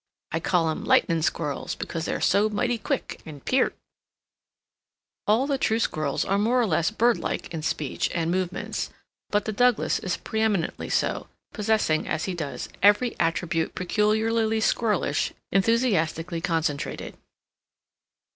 I call 'em Lightnin' Squirrels, because they're so mighty quick and peert." All the true squirrels are more or less birdlike in speech and movements; but the Douglas is preëminently so, possessing, as he does, every attribute peculiarly squirrelish enthusiastically concentrated.